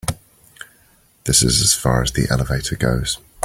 This is as far as the elevator goes.